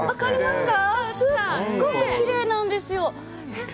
すっごくきれいなんですよ。